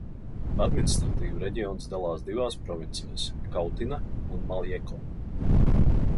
Administratīvi reģions dalās divās provincēs – Kautina un Maljeko.